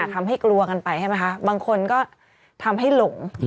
ทำให้กลัวกันไปใช่ไหมคะบางคนก็ทำให้หลง